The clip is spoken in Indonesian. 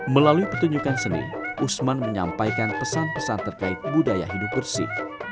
melalui pertunjukan seni usman menyampaikan pesan pesan terkait budaya hidup bersih